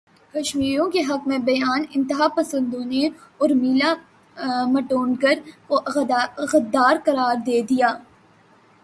کشمیریوں کے حق میں بیان انتہا پسندوں نے ارمیلا ماٹونڈکر کو غدار قرار دے دیا